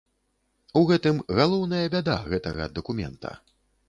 У гэтым галоўная бяда гэтага дакумента.